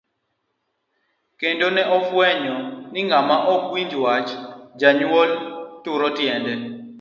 Kendo ne ofwenyo ni ng'ama ok winj wach janyuol, turo tiende .